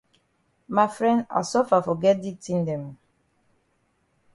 Ma fren I suffer for get di tin oo.